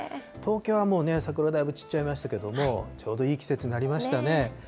東京はもう桜、だいぶ散っちゃいましたけれども、ちょうどいい季節になりましたね。